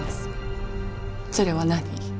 それは何？